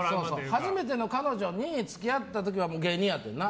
初めての彼女に付き合った時は芸人やったんな。